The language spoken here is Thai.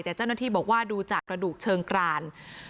แต่เจ้าหน้าที่บอกว่าดูจากกระดูกเชิงกราน